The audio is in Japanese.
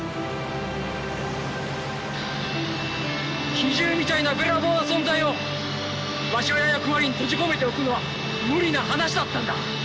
奇獣みたいなべらぼうな存在を場所や役割に閉じ込めておくのは無理な話だったんだ。